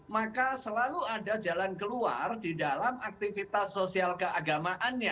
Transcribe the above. maka selalu ada jalan keluar di dalam aktivitas sosial keagamaannya